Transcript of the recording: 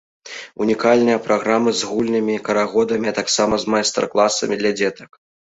Унікальныя праграмы з гульнямі, карагодамі, а таксама з майстар-класамі для дзетак.